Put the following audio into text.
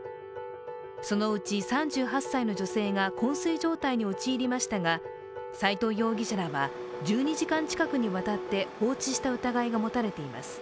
そのうち３８歳の女性がこん睡状態に陥りましたが斎藤容疑者らは１２時間近くにわたって放置した疑いが持たれています。